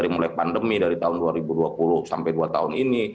mulai dari pandemi dua ribu dua puluh sampai dua ribu dua puluh ini